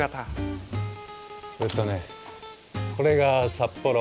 それとねこれが札幌。